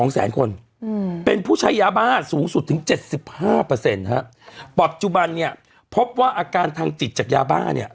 เป็นผู้ใช้ยาบ้าสูงสุดถึง๗๕ปัจจุบันเนี่ยพบว่าอาการทางจิตจากยาบ้าเนี่ย